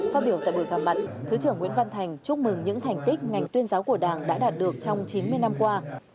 phát biểu tại buổi gặp mặt thứ trưởng nguyễn văn thành chúc mừng những thành tích ngành tuyên giáo của đảng đã đạt được trong chín mươi năm qua